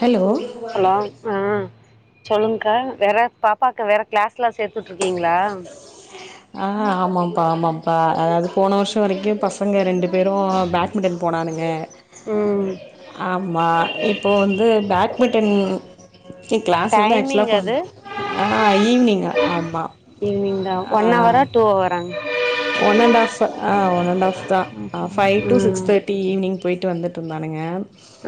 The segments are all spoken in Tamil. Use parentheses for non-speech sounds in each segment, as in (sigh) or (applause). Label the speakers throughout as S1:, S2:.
S1: ஹலோ
S2: சொல்லுங்க்கா வேற பாப்பாவுக்கு வேற கிளாஸ் எலாம் சேர்த்துட்டு இருக்கீங்களா
S1: ஆ ஆமாம்ப்பா ஆமாம்ப்பா அதாவது போன வருஷம் வரைக்கும் பசங்கள் ரெண்டு பேரும் பேட்மிண்டன் போனானுங்க
S2: ம்
S1: ஆமா இப்போ வந்து பேட்மிண்டன்கு கிளாஸ் வந்து ஆக்சுவலா
S2: டைமிங்
S1: கொ
S2: அது
S1: ஈவினிங் ஆமா
S2: ஈவினிங் தா ஒன்
S1: ஆ
S2: அவரா டூ அவரா (inaudible)
S1: one and half one and ஆ தான் பைவ் டூ சிக்ஸ்
S2: ம்
S1: தேர்ட்டி ஈவினிங் போயிட்டு வந்துட்டு இருந்தானுங்க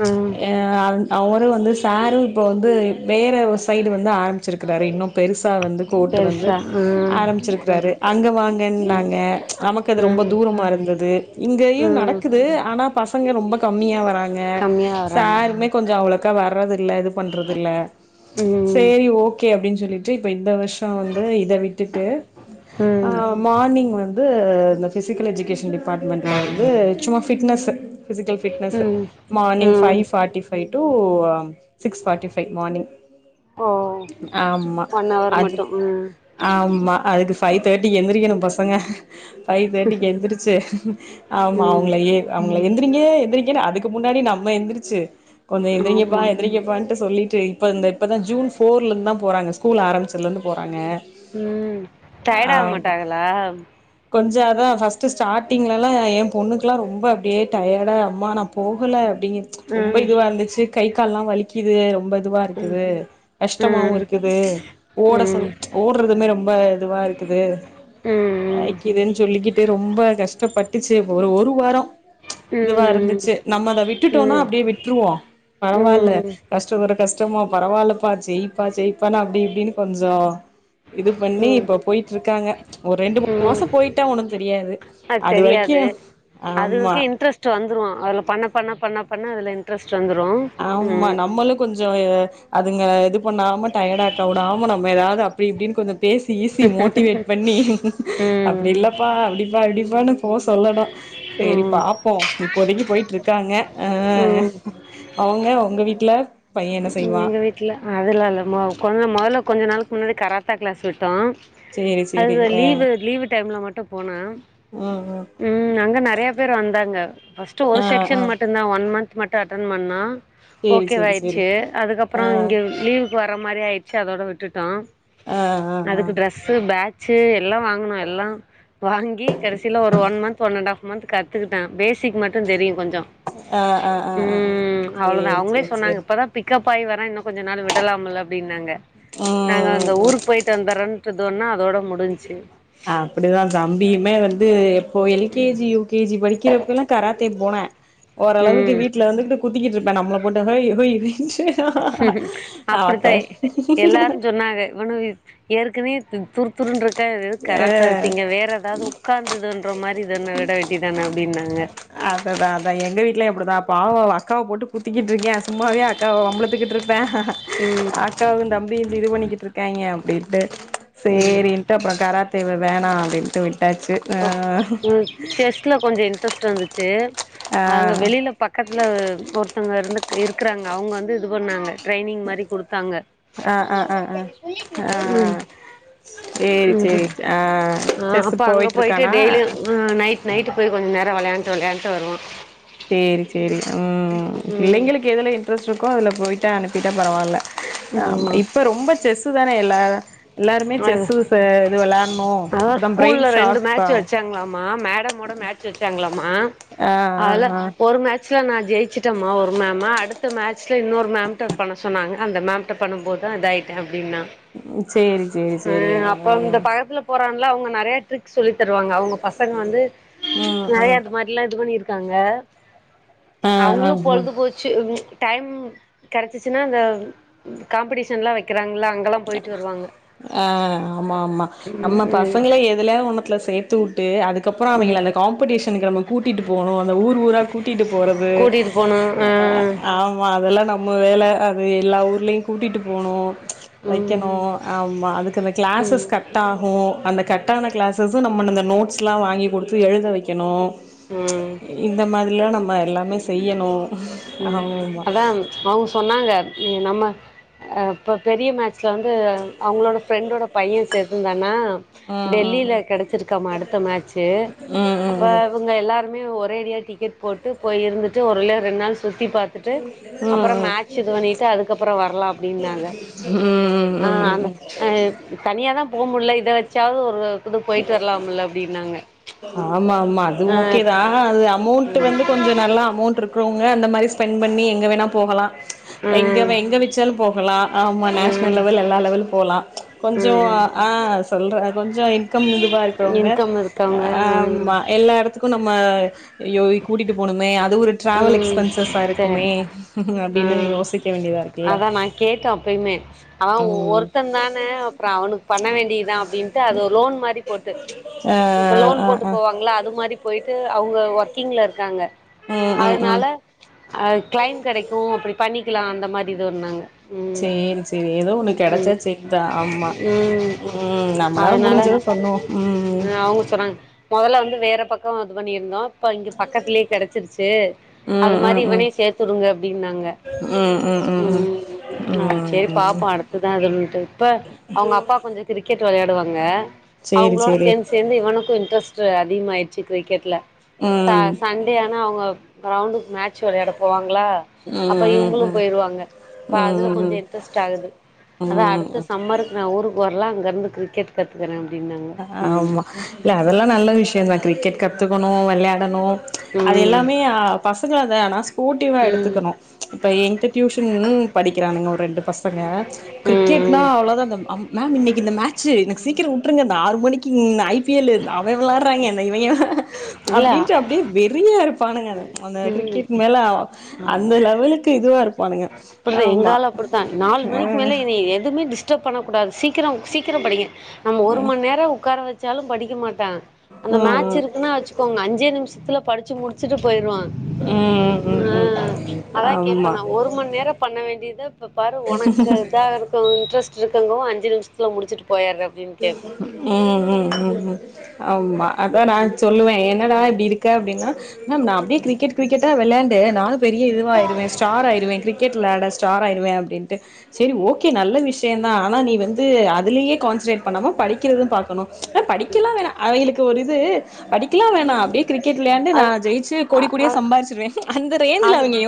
S2: ம்
S1: ஆஹ் அவரும் வந்து சாரும் இப்போ வந்து வேற சைடு வந்து ஆரம்பிச்சிருக்கறாரு இன்னும் பெரு சா வந்து கோர்ட் வந்து
S2: பெருசா ம்
S1: ஆரம்பிச்சிருக்கறாரு அங்க வாங்
S2: ம்
S1: கனாங் (unintelligible) நமக்கு அது ரொம்ப
S2: ம்
S1: தூரமாருந்தது இங்கயு
S2: ம்
S1: நடக்குது ஆனா னா பசங்க ரொம்ப கம்மியா வரா ங்க
S2: கம்மியாக வராங்க
S1: சாருமே கொஞ்ச அவ்ளோ க்க வர்றது இல்ல இது பண்றது இல்ல
S2: ம்
S1: சரி ஓகே அப்டின் சொல் சொல்லிட்டு இப்ப இந்த வருஷோ வந்து இத விட்டுட்டு ஆ
S2: ம்
S1: மார்னிங் இது இந்த ஃபிசிக்கல் எஜுகேஷன் டி டிபார்ட்மெண்ட்ல வந்து சும்மா ஃபிட்னஷூ ஃபிசிக்கல் ஃபிட்னஸ்
S2: ம்
S1: மார்னிங் ஃபைவ்
S2: ம்
S1: forty five two two six forty five morning
S2: ஓ
S1: ஆமா
S2: ஒன் ஹவர்
S1: அது
S2: மட்டும் ம்
S1: ஆமா அதுக்கு ஃபைவ் தேட்டிக்கு எந்திரக்கணு பஸ் சங்க ஃபைவ் தேட்டிக்கு எந்துருச்சு ஆமா
S2: ம்
S1: அவங்களயே எந்திரிங்க எந்திரிங்கேனு அதுக்கு முன்னாடி நம்ம எந்திரிச்சு கொஞ்ச எந்திரிங்கப்பா
S2: ஆமாம்
S1: எந்திரிங்கப்பாண்ட்டு சொல்லி த்தி இப்ப இந்த இப்பதா ஜூன் ஃபோர்ல இருந்தான் போறங்க ஸ்கூல் ஆரம்பிச்சதுலந்து போறாங்க
S2: ம் டயடாவ
S1: ஆமா
S2: மாட்டாங்ளா
S1: கொஞ்சோ அதா ஃபஸ்ட்டு ஸ்டாட்டிங்லலா என் பொண்ணுக்குலா ரொம்ப அப்டியே டயடா அம்மா நா போகுல (unintelligible) ரொம்ப
S2: ம்
S1: இதுவாருந்துச்சு கை கால்லா வலிக் கிது ரொம்ப
S2: ம்
S1: துவாருக்குது
S2: ம்
S1: கஷ்டமாவுருக்குது ஓட சொல்
S2: ம்
S1: ஓடுறதுமே ரொம்ப இதுவாருக்குது
S2: ம் ம்
S1: ஆயிக்கிதுன் சொல்லிட்டு ரொம்ப கஷ்டப்பட்டுச்சு ச்சே ஒரு ஒரு வாரொ
S2: ம்
S1: துவாருந்துச்சு நம்ம அத விட்டுட்டோனா
S2: ம்
S1: அப்டியே விட்ருவோ பரவால்ல
S2: ம் ம்
S1: கஷ்ட பர கஷ் ஷ்டமா பரவாலப்பா செயிப்பா செயிப்பானு அப்டி இப்டின்னு கொஞ்சோ இது பண்ணி
S2: ம்
S1: இப்ப போயிட்ருக்காங்க ஒரு ரெண்டு மா
S2: ம்
S1: மாச போயிட்டா ஒண்ணு தெரியாது அது வரைக்கு ஆம்மா
S2: அதுகளுக்கே பண்ணதுல இண்ட்ரஸ்
S1: ஆமா நம்மளு கொஞ்சோ ஏ அதுங்க இது பண்ணாம டயடாக்க வுடாம நம்ம எதா அப்டி இப்டின் கொஞ்ச பேசி ஈசி மோட்டிவேட் பண்ணி
S2: ம்
S1: அப்படி இல்லப்பா அப்டிப்பா இப்டிப்பானு போஸ் சொல்லனு செரி
S2: ம்
S1: பாப்போம் இப்போதைக்கு போயிட்டு இருக் க்காங்க ஆ
S2: ம்
S1: அவங்க உங்க வீட்டுல பையன் என்
S2: எங்க வீட்டுல அதுல்லா இல்ல மாவு கொழந் இல்ல கொஞ்ச நாள் முன்னடி கராத்தா கிளாஸ்ல விட்டோம்
S1: சேரி சேரி
S2: அது
S1: ஆ
S2: லீவு லீவு டைம்ல மட்டும் போனா
S1: ம் ம்
S2: உம் அங்க நறைய பேர் வந்தாங்க ஃபஸ்ட்டு ஒரு
S1: ஆ ஆ
S2: செக்க்ஷன் மட்டும்தான் ஒன் மந்த் மட்டும் அட்டென் பண்ணா
S1: சேரி சேரி சேரி
S2: ஓகேவாயிடுச்சு அதுக்கப்
S1: ஆ
S2: ப்பறோ இங்க லீவ் க்கு வர மாதிரி ஆயிடுச்சு அதோட விட்டுட்டோம்
S1: ஆ ஆ ஆ ஆ
S2: அதுக்கு டிரெஸ்ஸு பேக் சே எல்லாம் வாங்குன எல்லாம் வாங்கி கடைசியில ஒரு ஒன் மந்த் ஒன்அண்டாப் மந்த் கத்துக்கிட்டேன் பேசிக் மட்டும் தெரியும் கொஞ்
S1: ஆ ஆ ஆ ஆ
S2: உம் அவ்ளோதான்
S1: சேரி
S2: அவங்களே
S1: சேரி
S2: சொன்னாங்க
S1: சேரி
S2: இப்பதான் பிக்கப் பை வென இன்னும் கொஞ்ச நாள் விடலாம்ல அப்டின்னாங்க நாங்க அந்த
S1: ம் ம்
S2: ஊருக்கு போய் தந்தறோன்னு விட்டுதொன்னா அதோடு முடிஞ்சு
S1: அப்படிதான் தம்பியுமே வந்து எப் ஓ எல்கேஜி யுகேஜி படிக்கிறப்ப எல்லாம் கராத்தே போன ஓரளவுக்கு
S2: ம்
S1: வீட்டுல இருந்துட்டு கு பத்தி இருப்பே நம்ள போட் ஹோய் ய்
S2: அப்படித்தான் எல்லாரும் சொன்னாங்க இவானு ஏர் கிரீ துரு துரு இருக்காது
S1: ஆ
S2: கராத்தா வித்தீங்க வேற ஏதாவது உட்காந்ததுன்ற மாதிரி இதான விடவேண்டி தானே அப்டின் அப்படின்னாங்க
S1: அதுதான் அதான் எங்க வீட்டுல எப்படிதான் பாவம் அக்காவ போட்டு புத்திக்கிட்டு இருக்கேன் சும்மாவே அக் அக்காவ வம்பளத்துக்கிட்டு இருப்பேன்
S2: ம்
S1: அக்காவும் தம்பி இது பண்ணிட்டு இருக்காங்க அப்படின்னு பெ
S2: ம்
S1: செரின்ட்டு அப்ற கராத்தே வ வேணாம் அப்டின்டு விட்டு
S2: ஒ ம் செஸ்ல கொஞ்சோ இன்ட்ரெஸ்ட் இருந்துச்சு
S1: ஆ
S2: அவுங்க
S1: ஆ
S2: வெளியில பக்கத்துல ஒரு த்தவங்க இருந்து இருக்கிறாங்க. அவுங்க வந்து இது பண்ணாங்க. டிரைனீங் மாறி குடுத்தாங்க.
S1: ஆ ஆ ஆ ஆ ஆ
S2: ம்
S1: சேரி
S2: ம்
S1: சேரி ஆ
S2: அ
S1: செஸ்
S2: அப்ப அங்க போ
S1: போயிட்டு
S2: போய்ட்
S1: இருக்கானா
S2: டெய்லியு நைட் நைட் போய் கொஞ்சோ இந்நேரோ விளையாண்டு விளையாண்டு‌ வருவான்
S1: சேரி சேரி உம் பிள்ளைங்களுக்கு எதுல இன்ட்ரெஸ்ட் இரு கோ அதுல போயிட்டா அனுப்பிட்டா பரவாயில்ல. ஆமா இப்ப ரொம்போ செஸ் வேல இல்ல எல்லாருமே செஸ்
S2: அது
S1: ச இது விளானு
S2: அதா
S1: அப்பதா
S2: ஸ்கூல்ல
S1: பிரெய்ன்
S2: ரெண்டு
S1: ஷார்ப்பா
S2: மேட்ச் வச்சாங்களாமா மேடமோட
S1: எ ஆ
S2: ல
S1: ஆ
S2: ஒரு மேச் ட்ல்ல நா ஜெயிச்சட்டம்மா ஒரு மேம் அடுத்த மேட்சில் இன்னொரு மேமிட்ட பண்ண சொன்னாங்க அந்த மேம்ட்ட பன்னும்போதுதா இதா ஆயிட்ட அப்படின்னா
S1: ம் சேரி சேரி சேரி ஹ
S2: அவுங்க நெறயா ட்ர்க் இருக்கு சொல்லித் தருவாங்க அவுங்க பசங்க வந்து ச்
S1: ம்
S2: நிறயா
S1: ம்
S2: இது மாரி எல்லா இது பண்ணிருக்கு இருக்காங்க.
S1: ஆ ஆ
S2: அவங்களு
S1: ஆ
S2: பொழுது போச்சு ச் டைம் கிடச்சிச்சின்னா அந்த காம்படிஷன்ல்லா வெக்கிறாங்கள்ள அங்கெல்லா போயிட்டு வருவான்
S1: ஆ ஆமா ஆமா
S2: ம்
S1: நம்ம
S2: ம்
S1: பசங்கள எதுலயா ஒண்ணுத்துல சே த்து விட்டு அதுக்கு அப்புறோ
S2: ம்
S1: அவகில அந்த காம்படிஷனுக்கு நாம கூட்டிட்டு போணு அந்த ஊர் ஊரா கூட்டிட்டு போறது
S2: கூட்டிட்டு போனு ஆ
S1: ஆமா அதெல்லா நம் நம்ம வேலை அது எல்லா ஊர்லயும் கூட்டிட்டு போனு ப்ச்
S2: ம்
S1: வெக்கணு ஆமா அதுக்கு அந்த கிளாஸஸ்
S2: ம்
S1: கட் ஆகு அந்த கட்ட்டான கிளாஸஸம் நம்ம அந்த நோட்ஸ்ல்லா வாங்கி குடுத்து எழுத வெக்கணு
S2: ம்
S1: இந்த மாதிரி எல்லா நம்ம ம எல்லாமே செய்யணு
S2: ம்
S1: ஆமாமா
S2: அதா அவங்க சொன்னாங்க நம்ம இப்ப பெரிய மே ச்ல வந்து அவங்களோட ஃப்ரெண்டோட பையன் சேத்திருந்தான்னா
S1: ம் ம்
S2: டெல்லியில கெடச்சிருக்காம அடுத்த மேட்சு
S1: ம் ம்
S2: அப்போ
S1: ம்
S2: இவுங்க எல்லாருமே ஒ ரேடியா டிக்கெட் போட்டு போய் இருந்து ட்டு ஒருல ரெண்டு நாள் சுத்தி பாத்துட்டு
S1: ம்
S2: அப்புறோ
S1: ம்
S2: மேட்ச் இது பண்ணிட்டு அதுக்கப்புறோ வர்லா அப்படின்னாங்க
S1: ம்
S2: ஆஹ
S1: ம்
S2: அந்த
S1: ம்
S2: தனியாதா போகமுள்ள இத வச்சாவது ஒரு இது போயிட்டு வரலாம்ல அப்டின்னாங்க
S1: ஆமா அது ஓகே
S2: ஆ
S1: தான் அது அமௌண்ட் வந்து கொஞ்சம் நல்லா அமௌண்ட் இருக்கு இருக்றவங்க அந்த மாதிரி ஸ்பெண்ட் பண்ணி எங்க வேணா போகலாம் எங்க
S2: ம்
S1: எங்க வெச்சாலும் போகலாம் ஆமா நேஷனல்
S2: ம்
S1: லெவல் எல்லா லெவலும் போகலாம் கொஞ்சம்
S2: ம்
S1: ஆ சொல்ற கொஞ்சம் இன்கம் இதுவா இருக்கிறவங்க
S2: இன்கம் இருக்காங்க ம்
S1: ஆமா எல்லா எடத்துக்கும் நம்ம ஆ யோ கூட்டிட்டு போணுமே அது ஒரு டிராவல்
S2: உம்
S1: எக்ஸ்பென்சஸா
S2: செரி
S1: இருக்குமே அப்டின்னு
S2: உம்
S1: யோசிக்க வேண்டியதா இருக்குல்ல
S2: அதான் நான் கேட்டேன் அப்பயுமே அதான்
S1: ம்
S2: ஒருத்தன் தானே அப்புறம் அவனுக்கு பண்ண வேண்டியதான் அப்படின்ட்டு அது லோன் போட்டு
S1: ஆ
S2: இப்ப லோன்
S1: ஆ
S2: போட்டு
S1: ஆ
S2: போவாங்களா அது மாதிரி போயிட்டு அவங்க ஒருத்த டீம்லஇருக்காங்க
S1: ம் ம் ம்
S2: அதனால அ கிளைம் கெடைக்கும் அப்படி பண்ணி கலாம் அந்த மாதிரி இதுந்தாங்க
S1: செரி செரி ஏதோ ஒண்ணு கெடைச்சா சரி தான் ஆமா
S2: ம்
S1: உம் நம்மளால
S2: அதனால
S1: முடிஞ்சத பண்ணுவோம் உம்
S2: ஆ அவங்க சொன்னாங்க மொதல்ல வந்து வேற பக்கம் அது பண்ணிருந்தோம் இப்ப இங்க பக்கத்திலேயே கெடைத்து வெச்சிருச்சு அது
S1: ம்
S2: மாதிரி
S1: ம் ம்
S2: இவனே
S1: ம்
S2: சேர்த்துடுங்க அப்படின்னாங்க
S1: ம் ம் ம்
S2: உம் ம் செரி பாப்போம் அடுத்துதான் அதுட்டு இப்ப அவங்க அப்பா கொஞ்சம் கிரிக்கெட் வெளையாடுவாங்க ங்க
S1: சேரி
S2: அவங்களோட
S1: சேரி
S2: சேர்ந்து சேர்ந்து இவனுக்கும் இன்டரெஸ்ட் அதிகமாகாயிடுச்சி கிரிக்கெட்ல
S1: ம்
S2: சன்டே ஆனா அவங்க கிரவுண்ட்க்கு மேட்ச் வெளையாட போவாங்களா
S1: ம்
S2: அப்ப
S1: ம்
S2: இவங்களும்
S1: ம்
S2: போய்றுவாங்க இப்ப அதுல
S1: ம்
S2: கொஞ்சம் இன்ட்ரெஸ்ட் ஆகுது
S1: ம்
S2: அதான்
S1: ம்
S2: அடுத்த
S1: ம்
S2: சம்மருக்கு நான் ஊருக்கு வரலாம் அங்க வந்து கிரிக்கெட் கத்துக்கறேன்
S1: ஆமா இல்ல அதெல்லாம் நல்ல விஷயந்தான் கிரிக்கெட் கத்து கத்துக்கணும் விளையாடணும் அது
S2: ம்
S1: எல்லாமே பசங்கனா ஸ்போர்டிவா
S2: ம் ம்
S1: எடுத்துக்கணும் இப்ப என்கிட்ட டியூஷன் படிக்கறானுங்க ஒரு ரெண்டு பசங்க கிரிக்கெட்னா
S2: ம்
S1: அவ்ளோதான் மேம் இன்னைக்கு இந்த மட்ச்சு எனக்கு சீக்கிரம் உ (unintelligible) இருங்க ஆறு மணிக்கு நைட் ஐ பி லு அவன் விளாட்றாய்ங்க இவிங்க
S2: இல்ல
S1: அப்டின்ட்டு அப்டியே வெறியா இருக் இருப்பானுங்க அந்த
S2: ம்
S1: கிரிக்கெட் மேல அ அந்த லெவலுக்கு இதுவா இருக் பானுங்க
S2: அப்டி எங்காளு அப்டித்தான் நாலு மணிக்கு மேல என்ன எதுவுே டிஸ் டிஸ்டப் பண்ணக்கூடாது சீக்கரம் சீக்கரம் படிங்க நம்ம ஒரு மண் நேரம் உட்கார வச் ச்சாலும் படிக்க மாட் டா அந்த மேட்ச்
S1: ம்
S2: இருக்குன்னு வச்சுக்கோங்க அஞ்சே நிமிஷத்துல படிச்சு முடிச்சுட்டு போயிருவான்
S1: ம் ம் ம் ம் ம்
S2: ஆஹ் அதான் கேப்பே
S1: ஆமா
S2: நா ஒரு மண் நேரம் பண்ண வேண்டியத இப்ப பாரு உனக்கு இதா இருக்கும் இன்ட்ரெஸ்ட் இருக்கங்கவும் அஞ்சு நிமிஷ
S1: உம் உம் உம் உம் ஆமா அதான் நான் சொல்லுவே என்னடா இப்டி இருக்க அப்டின்னா மேம் நான் அப்டியே கிரிக்கெட் கிரிக்கெட்டா விளையாண்டு நா பெரிய இதுவாய்ருவேன் ஸ்டார் ஆய்றுவேன் கிரிக்கெட் விளையாட ஸ்டார் ஆயிருவேன் அப்டின்ட்டு செரி ஓகே நல்ல விஷ் யந்தா ஆன நீ வந்து வந்து அதுலயே கான்சன்ட்ரேட் பண்ணாம படிக்கிறதும் பாக்கணும் ஆஹ் படிக்கேலாம் வேணா அவேங்களுக்கு ஒரு இது படிக்கலாம் வேணா அப்டியே கிரிக்கெட் விளையாண்டு நான் ஜெயிச்சு கோடிகோடியா
S2: அ அ
S1: சம்பாரிச்சிருவேன் அந்த ரேஞ்ச்ல
S2: அது
S1: அவிங்க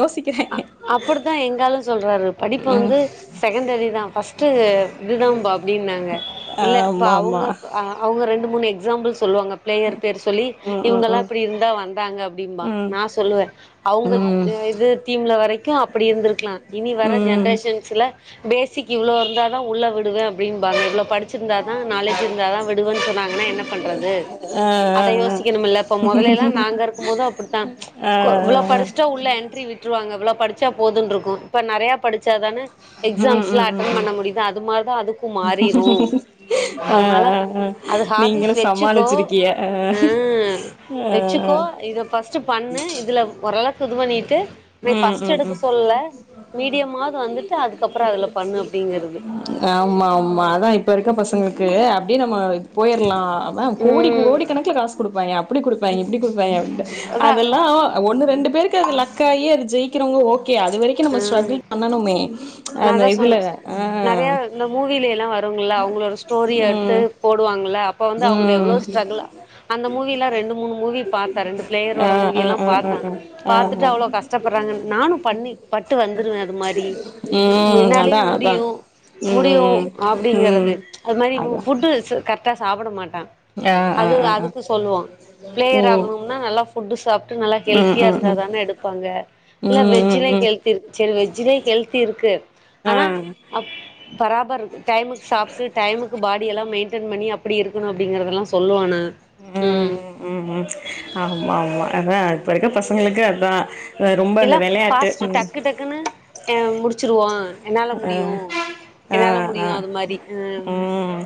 S2: அ
S1: யோசிக்கிறாங்க
S2: அப்டித்தான் எங்காலும் சொல்றாரு படிப்பு
S1: ம்
S2: வந்து செகண்டரி தான் ஃபஸ்டு ப அப்டினாங்க இல்ல இப்ப
S1: ஆமா
S2: அவுங்க
S1: ஆமா
S2: அ அவுங்க ரெண்டு மூன் எக்ஸாம்பிள்ஸ் சொல்லுவாங்க பிளேயர் பேர் சொல்லி
S1: ம்
S2: இவுங்கல்லாம்
S1: ம்
S2: இப்டி இருந்தா வந்தாங்க அப்டின்ம்பா
S1: ம்
S2: நா சொல்லுவே அவுங்க
S1: ம்
S2: இது தீம்ல வரைக்கும் அப்டி இருந்திருக்கலாம் இனி வர
S1: ம் ம்
S2: ஜென்ரேஷன்ஸ்ல பேசிக் இவ்ளோ இருந்தா தான் உள்ள விடுவே அப்டின்பாங்க இவ்ளோ படு ச்சு இருந்தா தான் நாலேஜ் இருந்தாதா விடுவன் சொன்னாங்கன்னா என்ன பண்றது
S1: ஆ
S2: அத யோசிக்கனும்ள இப்ப முதலேல்லா நாங்க இருக்கும் போது அப்புடித்தான்
S1: ஆ
S2: ச் இவ்ளோ படுஷாடா உள்ள என்ட்ரி விட்டுருவாங்க இவ்ளோ படு ச்சா போதுன்ருக்கும் இப்ப நெறையா படு ச்சாதான எக்ஸாம்ஸ்லா அட்டன் பண்ண முடிது அது மாரி தான் அதுக்கும் மாறிரும்
S1: ஆ
S2: அதுனால அது ஹாபிஸ்
S1: நீங்களு
S2: வச்சுக்கோ
S1: சமாளிச்சிருக்கிய ஆ
S2: அ
S1: ஆ
S2: வச்சுக்கோ இத ஃபஸ்ட் பண்ணு இதுல புது பண்ணிட்டு நீ
S1: ம்
S2: ஃபஸ்ட்
S1: ம்
S2: எடுக்க
S1: ம்
S2: சொல்லல மீடியமாவது வந்துட்டு அதுக்கப்றம் அதுல பண்ணு அப்டிங்கறது
S1: ஆமா ஆமா அதா போயிர்லாம் அதா கோடி கோடி கணக்கல காசு குடுப்பாய்ங்க அப்டி குடு ப்பாய்ங்க எப்டி குடுப்பாய்ங்க அப்டின்டு
S2: அதா
S1: அதல்லாம் ஒண்ணு ரெண்டு பேருக்கு அது லக் துககே ஜெயிக்கிறவங்க ஓக் ஓகே அது வரைக்கும் நம்ம ஸ்ட்ரகுள்
S2: ம்
S1: பண்ணணுமே
S2: நா
S1: அந்த
S2: அதா சொன்னே
S1: இதுல
S2: நெறைய
S1: ஆ
S2: இந்த மூவில எல்லா வருங்கள அவங்கள ஒரு ஸ்டோரிய எடுத்து
S1: ம்
S2: போடுவாங்க இப்ப வந்து அவ்ங்க எவ்ளோ
S1: ம்
S2: ஸ்ட்ரகுளா அந்த மூவ எல்லாம் ரெண்டு மூணு மூவி பார்த்தன் ரெண்டு
S1: ஆ
S2: பிளேயரோட மூவி
S1: ஆ
S2: எல்லாம்
S1: ஆ ஆ
S2: பார்த்தா
S1: ஆ ஆ
S2: பார்த்துட்டு
S1: ஆ
S2: அவ்ளோ கஷ்டப்படுறாங்கன்னு நானு பண்ணி பட்டு வந்துடுவேன் அது மாரி
S1: ம் அதா
S2: என்னாலயும்
S1: அதா
S2: முடியும் முடியும்
S1: ம் ம்
S2: அப்டிங்கிறது
S1: ம்
S2: அது மாரி
S1: அதா
S2: ஃபுட்டு கரெக்டா சாப்பிட மாட்
S1: ஆ ஆ
S2: அது
S1: ஆ ஆ
S2: அதுக்கு சொல்லுவோ பிளேயர்
S1: ம்
S2: ஆகனும்னா நல்லா ஃபுட் சாப்ட்டு நல்லா
S1: ம்
S2: ஹெல்த்தியா
S1: ம் ம்
S2: இருந்தாதாங்கே எடுப்பாங்க இல்ல வெஜ்
S1: ம் ம் ம்
S2: ஹல்திக்கு சரி வெஜ் ஹெல்திர் இருக்கு
S1: ஆ
S2: ஆனா அப் பராபர்ரு டைமுக்கு சாப்ட்டு டைமுக்கு பாடி அப்டி எலாம் மெயிடயின் பண்ணி அப்டி இருக்கனும் அப்டிங்கறதெல்லா சொல்லுவான
S1: உம் உம் உம் ஆமா ஆமா அதா து இப்ப இருக்க பசங்களுக்கு அதா ரொம்ப
S2: எல்லா
S1: அந்த வெளையாட்டு
S2: பாஸ்ட்
S1: ம்
S2: டக்கு டக்குன்னு முடிச்சிருவோ என்னால
S1: ஆ
S2: முடியும்
S1: ஆ
S2: என்னால
S1: ஆ
S2: முடியும் அது மாரி அ
S1: ம்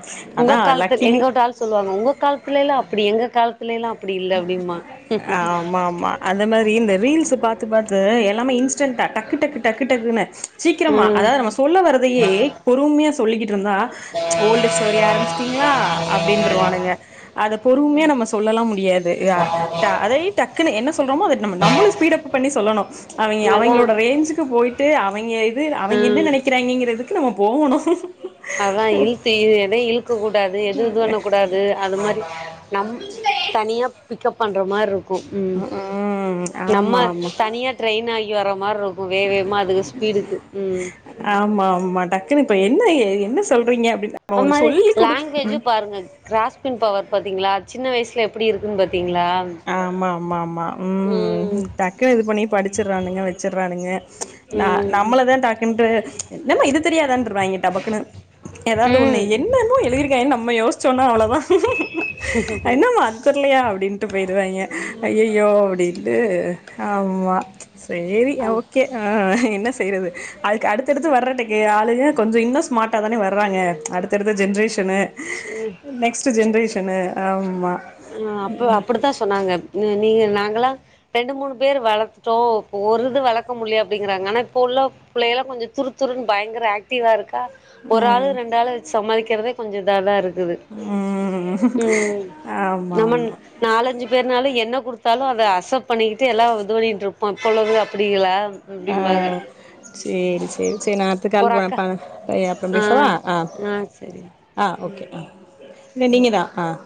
S2: உங்க
S1: அதா
S2: காலத்து எங்க
S1: லக்கிலி
S2: வீட் ஆள் சொல்லுவாங்க உங்க காலத்துலல்ல அப்டி எங்க எங் காலத்
S1: ஆமா ஆமா அந்த மாரி இந்த ரீல்ஸ பாத்து பாத் து எல்லாமே இன்ஸ் ன்ஸட ட டக்கு டக்கு டக்கு டக்குனு சீக்கிரமா
S2: ம்
S1: அதாது நம்ம சொல்ல வர்ரதயே பொறுமையா சொல்லிகிட்டுருந்தா ஓல்ட் ஸ்டோரிய ஆரமிச்சிட்டிங்களா அப்டினு வானுங்க பொறும்யா நம்மஸ் சொல்லலா முடியாது யா அ அதை டக்குன்னு என்ன சொல்றோமோ நம்ம நம்ம ஸ்பீடப் பண்ணி சொல்லணு அவிங்க
S2: அதா
S1: அவிங்களோட ரேஞ்சுக்கு போயிட் அவிங்க
S2: ஆ
S1: அவிங்க என்ன நெனைக்கிறாங்கங்றது நம்ம போவணு
S2: அதா இழுத்து எதையு இழுக்க கூடாது எது இது வண்ண கூடாது அது மாரி நம் தனியாப் பிக்கப் பண்றா மார்ருக்கு இரு உம்
S1: ம்
S2: நம்ம
S1: ஆமா ஆமா
S2: தனியா ட்ரெயின் ஆகி வர்றா மார்ருக்கு வேவேமா அதுக்கு ஸ்பீடுக்கு உம்
S1: ஆமா ஆமா டக்குன்னு இப்ப என்ன என்ன சொல்றீங்க அப்டின்னு நம்ம
S2: அத்
S1: ஒன்னு
S2: மாரி
S1: சொல்லி குடுக்
S2: லாங்வேஜும் பாருங்க கிராஸ்பின் பவர் பாத்தீங்ளா சின்ன வயசுல ப்டிருக்கும் ப
S1: ஆமாம்மாம்மா உம்
S2: ம்
S1: டக்குனு இது பண்ணி படிச்சுறானுங்க வச்சுட்றானுங்க ஏ ந
S2: ம்
S1: நம்மளதா டாக்குன்டு என்னமா இதுக் தெரியாதான்ருவாங்க டபக்குன்னு ஏதாவ்து ஒன்னு
S2: ம்
S1: என்னமோ எழுதிருக்காய்ங்கனு நம்ம யோசிச்சோனா அவ்ளோதா என்னமா அது தெர்லயா அப்டின் போயிருவாங்க ஐய யோ அப்டின்ட்டு ஆம்மா சேரி
S2: அ
S1: ஓக்கே ஆஹ் என்ன செய்றது அதுக் அடுத்தடுத்து (unintelligible) ஆளுக கொஞ்சோ இன்னு ஸ்மார்ட்டா தானே வர்றாங்க அடுத்தடுத்த ஜென்ரேஷன் னு
S2: சின்ன
S1: நெக்ஸ்ட் ஜென்ரேஷன்னு ஆம்மா
S2: அப்டி தா சொன்னாங்க நீங்க நாங்கலா ரெண்டு மூணு பேரு வளத்தோ இப்போ ஒரு இது வளக்க முடியல அப்டிங்கிறாங்க ஆனா இப்போ உள்ள பிள்ளைகல்லா கொஞ்சோ துருத்துருன்னு பயங்கர ஆக்டிவா இருக்கா ஒரு ஆள்
S1: ம்
S2: ரெண்டு ஆளு வச்சு சமாளிக்கிறதே கொஞ்சோ தலரு
S1: ம்
S2: உம்
S1: ஆமா
S2: நம
S1: ஆமா
S2: நாலஞ்சு பேர்னால என்ன குடுத் தாலு அது அசத் பண்ணிக்கிட்டு எல்லா (unintelligible) அப்ப உள்ளவங்க அப்படில
S1: ஆஹ் சேரி சரி சரி நா அடுத்து கால்
S2: ஒரு அக்கா
S1: வாப்பா அ அப்புறம்
S2: ஆ
S1: பேசவா ஆஹ்
S2: ஆ சரி
S1: ஆஹ் ஓகே. இல்ல நீங்க தா ஆஹ்.